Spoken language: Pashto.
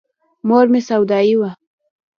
مور مې سودايي وه.